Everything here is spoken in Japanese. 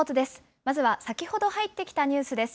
まずは先ほど入ってきたニュースです。